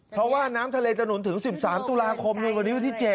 เพราะว่าน้ำทะเลจะหนุนถึง๑๓ตุลาคมยนวันนี้วันที่๗